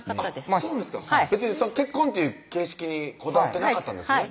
そうですか結婚という形式にこだわってなかったんですね